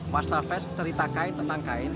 masa flores cerita kain tentang kain